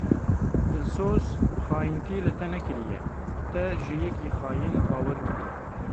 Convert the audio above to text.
Dilsoz, xayintî li te nekiriye, te ji yekî xayîn bawer kiriye.